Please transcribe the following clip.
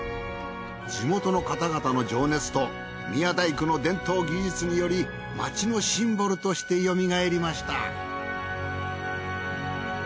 地元の方々の情熱と宮大工の伝統技術により町のシンボルとしてよみがえりました。